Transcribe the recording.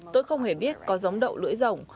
tôi không hề biết có giống đậu lưỡi rồng